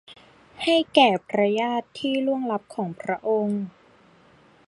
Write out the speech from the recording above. ให้แก่พระญาติที่ล่วงลับของพระองค์